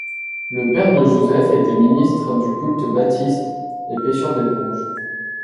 Le père de Joseph était ministre du culte baptiste et pêcheur d'éponges.